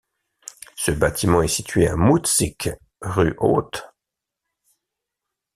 Ce bâtiment est situé à Mutzig, Rue Haute.